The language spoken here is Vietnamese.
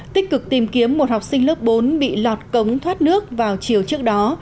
tích cực tìm kiếm một học sinh lớp bốn bị lọt cống thoát nước vào chiều trước đó